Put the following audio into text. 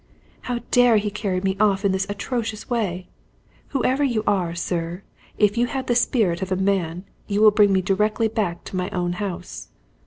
"How dare he carry me off in this atrocious way? Whoever you are, sir, if you have the spirit of a man, you will bring me directly back to my own house."